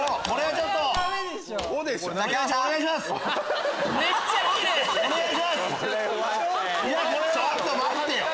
ちょっと待ってよ！